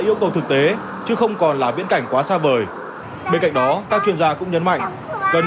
yêu cầu thực tế chứ không còn là viễn cảnh quá xa vời bên cạnh đó các chuyên gia cũng nhấn mạnh cần